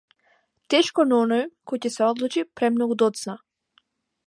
Тешко на оној кој ќе се одлучи премногу доцна.